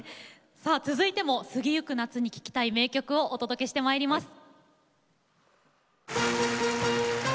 さあ続いても過ぎゆく夏に聴きたい名曲をお届けしてまいります。